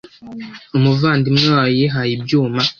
Umuvandimwe wawe yihaye ibyuma